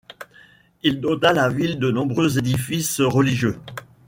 Il dota la ville de nombreux édifices religieux.